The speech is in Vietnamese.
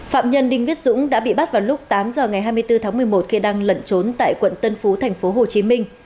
phạm nhân đinh viết dũng đã bị bắt vào lúc tám h ngày hai mươi bốn tháng một mươi một khi đang lẩn trốn tại quận tân phú tp hcm